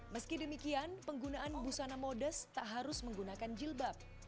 meski demikian penggunaan busana modest tak harus menggunakan jilbab